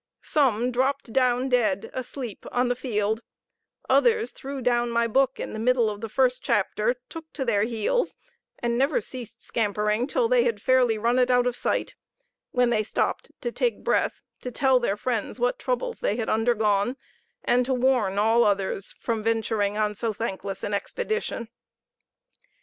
Some dropped down dead (asleep) on the field; others threw down my book in the middle of the first chapter, took to their heels, and never ceased scampering until they had fairly run it out of sight; when they stopped to take breath, to tell their friends what troubles they had undergone, and to warn all others from venturing on so thankless an expedition.